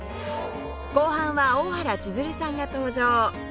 後半は大原千鶴さんが登場